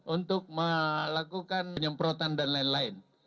untuk melakukan nyemprotan dan lain lain